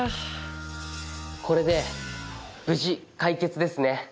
これで無事解決ですね。